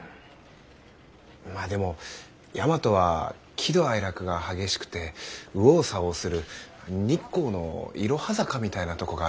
まあでも大和は喜怒哀楽が激しくて右往左往する日光のいろは坂みたいなとこがあるし。